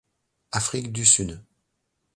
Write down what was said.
Afrique du Sud.